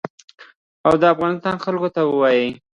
او د افغانستان خلکو ته وايي.